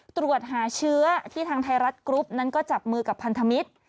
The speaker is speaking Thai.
ตรวจหาเชื้อที่ทางไทยรัฐกรุ๊ปนั้นก็จับมือกับพันธมิตร